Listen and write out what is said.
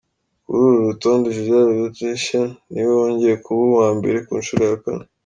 Kuri uru rutonde, Gisele Bündchen niwe wongeye kuba uwa mbere ku nshuro ya kane.